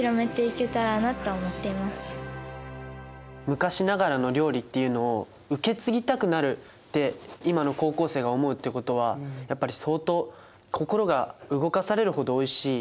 昔ながらの料理っていうのを受け継ぎたくなるって今の高校生が思うってことはやっぱり相当心が動かされるほどおいしい。